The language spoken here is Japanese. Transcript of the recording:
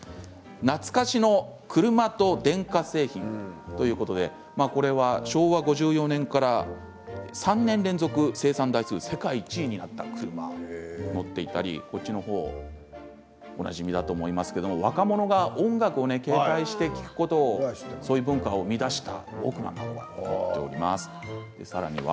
懐かしの車と電化製品ということで昭和５４年から３年連続生産台数世界一になった車が載っていたりこちらおなじみだと思いますが若者が音楽を携帯して聴くそういう文化を生み出したものなどさらには。